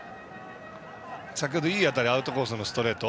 先程、いい当たりアウトコースのストレート